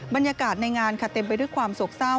บรรยากาศในงานค่ะเต็มไปด้วยความโศกเศร้า